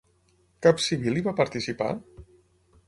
Cap civil hi va participar?